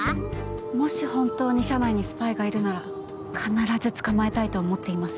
もし本当に社内にスパイがいるなら必ず捕まえたいと思っています。